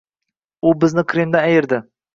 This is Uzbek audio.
U bizni Qrimdan ayirdi.